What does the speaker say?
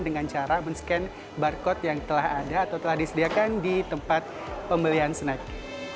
dengan cara men scan barcode yang telah ada atau telah disediakan di tempat pembelian snack